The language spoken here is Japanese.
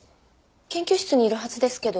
研究室にいるはずですけど。